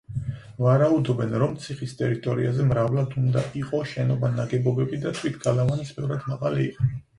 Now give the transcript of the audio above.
ვარაუდობენ, რომ ციხის ტერიტორიაზე მრავლად უნდა იყო შენობა-ნაგებობები და თვით გალავანიც ბევრად მაღალი იყო.